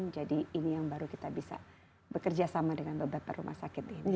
jadi ini yang baru kita bisa bekerja sama dengan beberapa rumah sakit ini